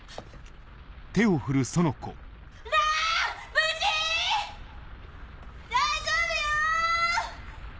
無事⁉大丈夫よ‼